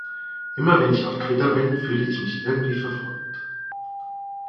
Immer, wenn ich auf Twitter bin, fühle ich mich irgendwie verfolgt.